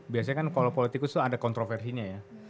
biasanya kan kalau politikus itu ada kontroversinya ya